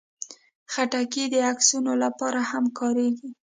خټکی د عکسونو لپاره هم کارېږي.